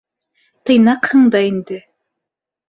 Тыйнаҡһың да инде.